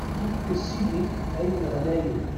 Yekkes-iyi ayen ɣlayen.